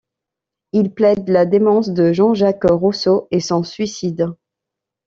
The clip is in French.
Il plaide la démence de Jean Jacques Rousseau et son suicide.